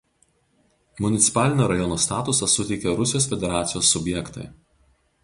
Municipalinio rajono statusą suteikia Rusijos Federacijos subjektai.